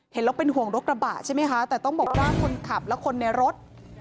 เห็นแล้วเป็นห่วงรถกระบะใช่ไหมคะแต่ต้องบอกว่าคนขับและคนในรถ